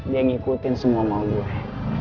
dia yang ikutin semua mau gue